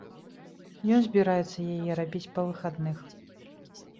Ён збіраецца яе рабіць па выхадных.